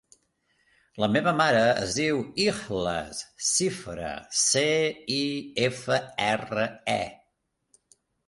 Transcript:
La meva mare es diu Ikhlas Cifre: ce, i, efa, erra, e.